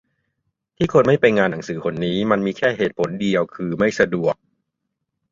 ที่คนไม่ไปงานหนังสือหนนี้มันมีแค่เหตุผลเดียวคือไม่สะดวก